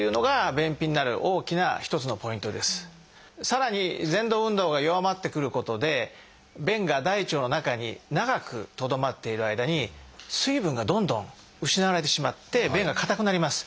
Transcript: さらにぜん動運動が弱まってくることで便が大腸の中に長くとどまっている間に水分がどんどん失われてしまって便が硬くなります。